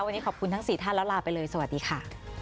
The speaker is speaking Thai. วันนี้ขอบคุณทั้ง๔ท่านแล้วลาไปเลยสวัสดีค่ะ